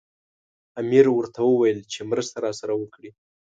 امیر ورته وویل چې مرسته راسره وکړي.